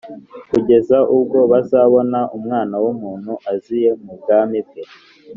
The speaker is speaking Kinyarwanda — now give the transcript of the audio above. kugeza ubwo bazabona Umwana w’umuntu aziye mu bwami bwe.